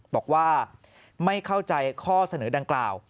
บอกว่าไม่เข้าใจข้อเสนอดังกล่าว